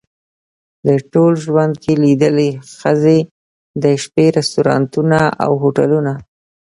په ټول ژوند کې لیدلې ښځې د شپې رستورانتونه او هوټلونه.